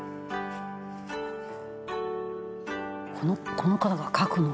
「この方が描くの？」